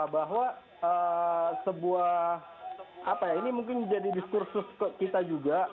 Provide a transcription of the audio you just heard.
bahwa sebuah apa ya ini mungkin jadi diskursus kita juga